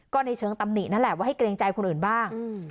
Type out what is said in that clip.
ก็ในเชิงตำหนินั่นแหละว่าให้เกรงใจคนอื่นบ้าง